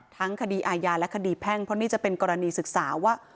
ทั้งคดีอาญาและคดีแพ่งเพราะนี่จะเป็นกรณีศึกษาว่า